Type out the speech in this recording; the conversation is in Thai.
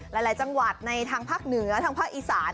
หลายจังหวัดในทางภาคเหนือทางภาคอีสาน